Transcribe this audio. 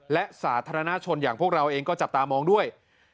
และสาธารณชนอย่างว่าในเรื่องนี้จับตามองด้วย